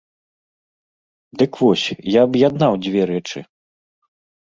Дык вось, я аб'яднаў дзве рэчы.